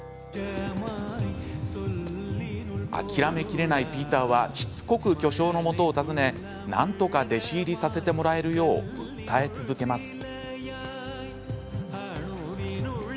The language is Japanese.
諦めきれないピーターはしつこく巨匠のもとを訪ねなんとか弟子入りさせてもらえるよう訴え続けます。